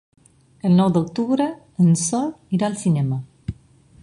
El nou d'octubre en Sol irà al cinema.